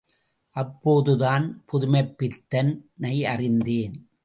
அப்போதுதான் புதுமைப்பித்தனை அறிந்தேன்.